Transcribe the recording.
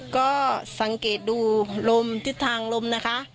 ก็สังเกตดูลมทิศทางลมนะคะ